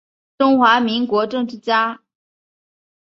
中华民国政治家。